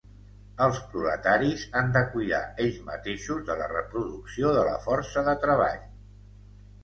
Els proletaris han de cuidar ells mateixos de la reproducció de la força de treball.